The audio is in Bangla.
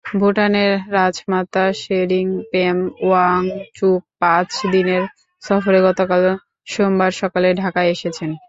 ভুটানের রাজমাতা শেরিং পেম ওয়াংচুক পাঁচ দিনের সফরে গতকাল সোমবার সকালে ঢাকায় এসেছেন।